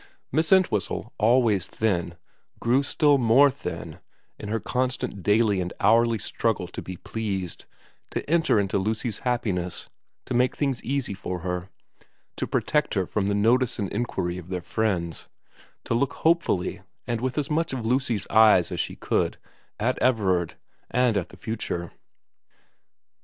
Miss Entwhistle, always thin, grew still more thin in her constant daily and hourly struggle to be pleased, to enter into Lucy's happiness, to make things easy for her, to protect her from the notice and inquiry of their friends, to look hopefully and with as much of Lucy's eyes as she could at Everard and at the future.